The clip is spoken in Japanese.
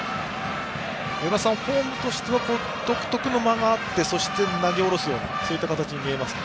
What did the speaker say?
与田さん、フォームとしては独特の間があってそして、投げ下ろすような形に見えますね。